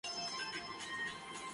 پاکستان میں صوبائی اور قومی الیکشن